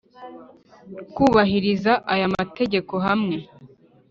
Kubahiriza aya mategeko hamwe